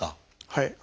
はい。